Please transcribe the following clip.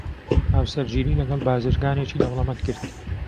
هاوسەرگیریی لەگەڵ بازرگانێکی دەوڵەمەند کرد.